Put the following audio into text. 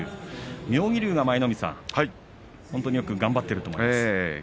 妙義龍は本当によく頑張っていると思います。